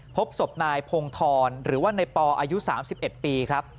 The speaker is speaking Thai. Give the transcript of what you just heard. พบศพนายพงธรหรือว่าในปออายุ๓๑ปีครับ